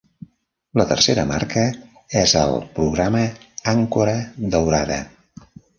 La tercera marca és el Programa Àncora Daurada.